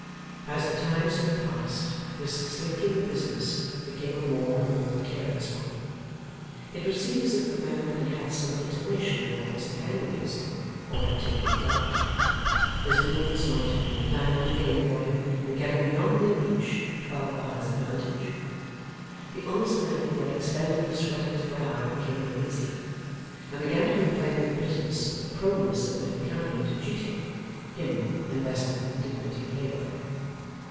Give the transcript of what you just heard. As the time so passed, this slinking business became a more and more precarious one. It would seem as if the man had had some intimation of what was in hand against him, or had taken fright? His movements might have been planned to gain for him, in getting beyond their reach, twelve hours' advantage? The honest man who had expended the sweat of his brow became uneasy, and began to complain with bitterness of the proneness of mankind to cheat him him invested with the dignity of Labour!